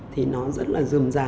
thì nó rất là dườm dà